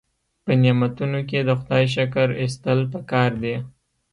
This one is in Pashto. په نعمتونو کې د خدای شکر ایستل پکار دي.